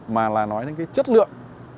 mà là nói đến cái chất lượng